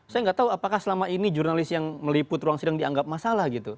saya nggak tahu apakah selama ini jurnalis yang meliput ruang sidang dianggap masalah gitu